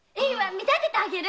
見立ててあげる。